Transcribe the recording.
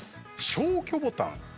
消去ボタン。